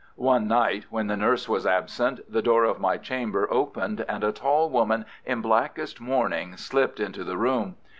One night, when the nurse was absent, the door of my chamber opened, and a tall woman in blackest mourning slipped into the room.